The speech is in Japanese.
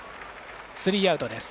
スリーアウトです。